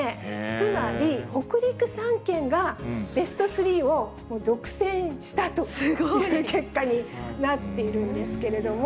つまり、北陸３県がベスト３を独占したという結果になっているんですけれども。